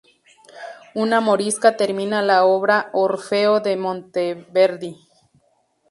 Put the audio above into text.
Una "morisca" termina la obra Orfeo de Monteverdi.